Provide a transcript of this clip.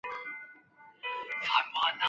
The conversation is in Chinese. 东京俳优生活协同组合所属。